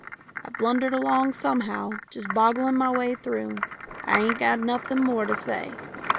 I've blundered along somehow, just boggling my way through. I ain't got anything more to say.